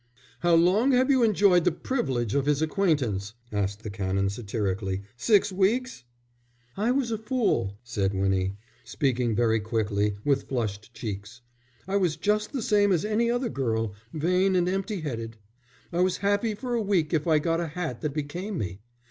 "How long have you enjoyed the privilege of his acquaintance?" asked the Canon, satirically. "Six weeks?" "I was a fool," said Winnie, speaking very quickly, with flushed cheeks. "I was just the same as any other girl, vain and empty headed. I was happy for a week if I got a hat that became me.